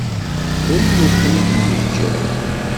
Ur awen-ten-id-yeǧǧa ara.